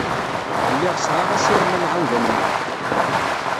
Lliɣ sɛiɣ asirem ad nɛawed ad nemlil.